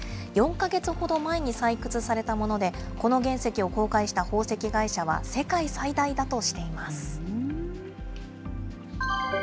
４か月ほど前に採掘されたもので、この原石を公開した宝石会社は、世界最大だとしています。